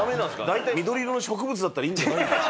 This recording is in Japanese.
大体緑色の植物だったらいいんじゃないんですか？